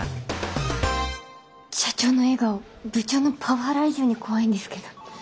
社長の笑顔部長のパワハラ以上に怖いんですけど。